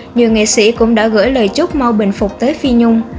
nhiều nghệ sĩ cũng đã gửi lời chúc mau bình phục tới phi nhung